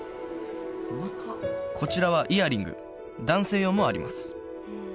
こちらはイヤリング男性用もあります